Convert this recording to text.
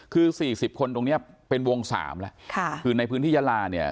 คือ๔๐คนตรงนี้เป็นวงสามแล้วคือในพื้นที่ยาลาเนี่ย